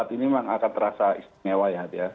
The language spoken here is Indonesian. saat ini memang akan terasa istimewa ya